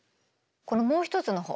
このもう一つの方